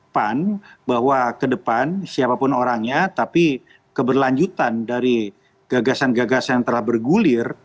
pan bahwa kedepan siapapun orangnya tapi keberlanjutan dari gagasan gagasan telah bergulir